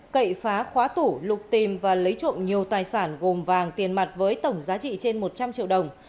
cậy phá khóa tủ lục tìm và lấy trộm nhiều tài sản gồm vàng tiền mặt với tổng giá trị trên một trăm linh triệu đồng